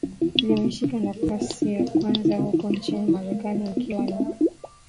Zimeshika nafasi ya kwanza huko nchini Marekani ikiwa ni